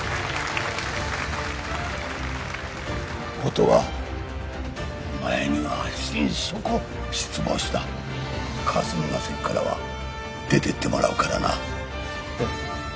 音羽お前には心底失望した霞が関からは出てってもらうからなええ